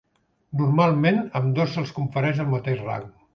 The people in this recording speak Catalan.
Normalment, ambdós se'ls confereix el mateix rang.